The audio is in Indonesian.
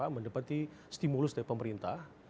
mendapati stimulus dari pemerintah